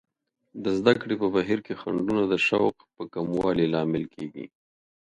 د زده کړې په بهیر کې خنډونه د شوق په کموالي لامل کیږي.